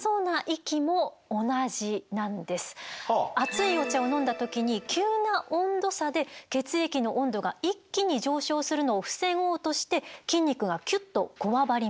熱いお茶を飲んだ時に急な温度差で血液の温度が一気に上昇するのを防ごうとして筋肉がキュッとこわばります。